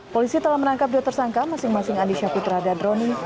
polisi telah menangkap dua tersangka masing masing andi syaputra dan roni